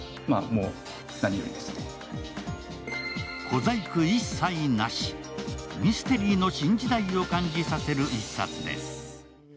小細工一切なし、ミステリーの新時代を感じさせる一冊です。